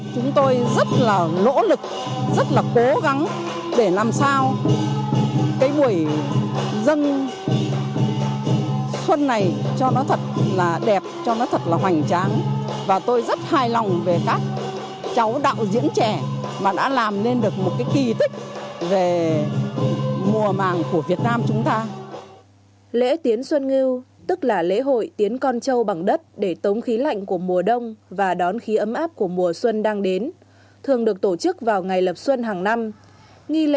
chúng tôi rất là nỗ lực rất là cố gắng để làm sao cái buổi dân xuân này cho nó thật là đẹp cho nó thật là hoành trình